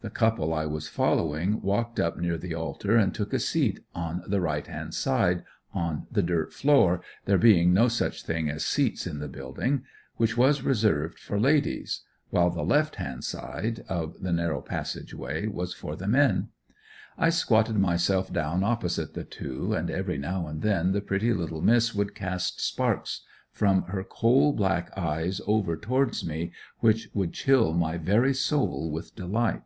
The couple I was following walked up near the altar and took a seat on the right hand side on the dirt floor, there being no such thing as seats in the building which was reserved for ladies, while the left hand side, of the narrow passage way, was for the men. I squatted myself down opposite the two, and every now and then the pretty little miss would cast sparks from her coal black eyes over towards me which would chill my very soul with delight.